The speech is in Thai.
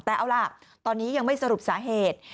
แต่เอาล่ะตอนนี้ยังไม่สรุปสาเหตุ